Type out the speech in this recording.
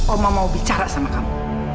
oma mau bicara sama kamu